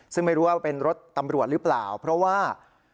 ซึ่งไม่รู้ว่าเป็นรถตำรวจหรือเปล่าเพราะว่า